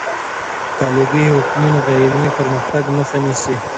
قالبي حکمونه د علمي پرمختګ مخه نیسي.